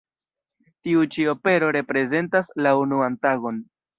Tiu-ĉi opero reprezentas la "unuan tagon".